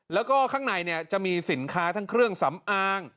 แล้วก็ข้างในจะมีสินค้าทั้งเครื่องสำอาง